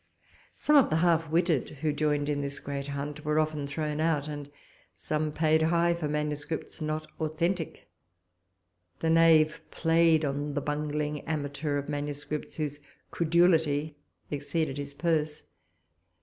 Some of the half witted, who joined in this great hunt, were often thrown out, and some paid high for manuscripts not authentic; the knave played on the bungling amateur of manuscripts, whose credulity exceeded his purse.